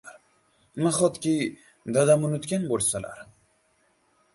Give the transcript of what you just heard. Nahotki, dadam unutgan bo‘lsalar?..»